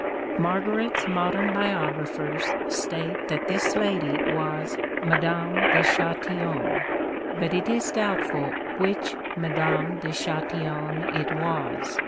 Margaret's modern biographers state that this lady was Madame de Chastillon, but it is doubtful which Madame de Chastillon it was.